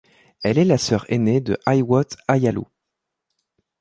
Elle est la sœur ainée de Hiwot Ayalew.